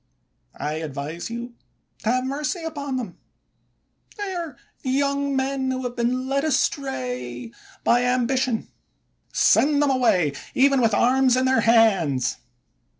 I advise you to have mercy upon them; they are young men who have been led astray by ambi tion; send them away, even with arms in their hands.